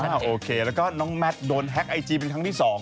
โอเคแล้วก็น้องแมทโดนแฮ็กไอจีเป็นครั้งที่๒